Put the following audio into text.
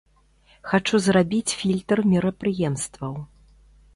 Хачу зрабіць фільтр мерапрыемстваў.